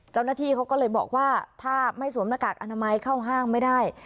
เจ้าหน้าที่เขาก็เลยบอกว่าถ้าไม่สวมหน้ากากอนามัยเข้าห้างไม่ได้